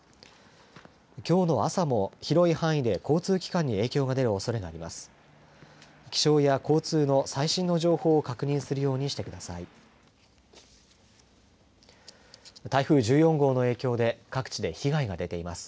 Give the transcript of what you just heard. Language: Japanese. きょうの朝も広い範囲で交通機関に影響が出るおそれがあります。